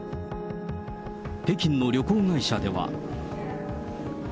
北京の旅行会社では。